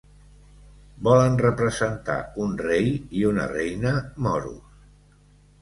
Volen representar un rei i una reina moros.